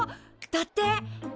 だって。